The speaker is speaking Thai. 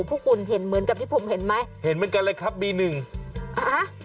พวกคุณเห็นเหมือนกับที่ผมเห็นไหมเห็นเหมือนกันเลยครับบีหนึ่งฮะ